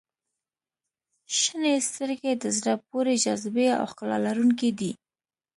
• شنې سترګې د زړه پورې جاذبې او ښکلا لرونکي دي.